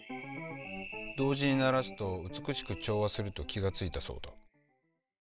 同時に鳴らすと美しく調和すると気が付いたそうだ。